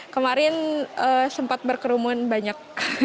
kemarin sempat berkerumun banyak